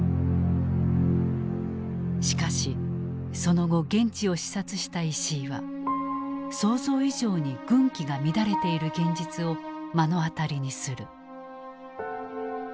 しかしその後現地を視察した石井は想像以上に軍紀が乱れている現実を目の当たりにする。